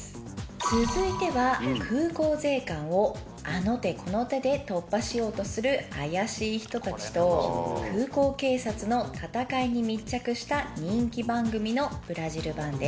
続いては空港税関をあの手この手で突破しようとする怪しい人たちと空港警察の戦いに密着した人気番組のブラジル版です。